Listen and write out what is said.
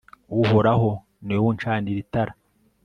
uhoraho, ni wowe uncanira itara